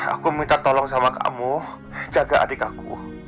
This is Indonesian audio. aku minta tolong sama kamu jaga adik aku